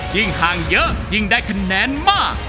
ยิ่งห่างเยอะยิ่งได้คะแนนมาก